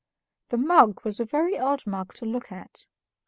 The mug was a very odd mug to look at.